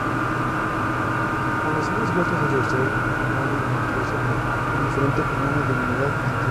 con los ojos vueltos hacia el sol, inmóvil, monstruoso, indiferente como una divinidad antigua.